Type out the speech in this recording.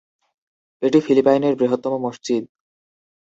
এটি ফিলিপাইনের বৃহত্তম মসজিদ।